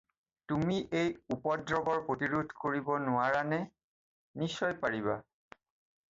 তুমি এই উপদ্ৰৱৰ প্ৰতিৰোধ কৰিব নোৱাৰানে? নিশ্চয় পাৰিবা।